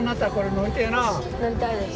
乗りたいです。